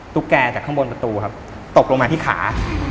แกจากข้างบนประตูครับตกลงมาที่ขา